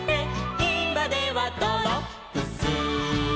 「いまではドロップス」